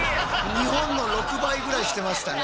日本の６倍ぐらいしてましたね。